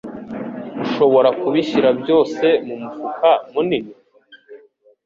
Ushobora kubishyira byose mumufuka munini?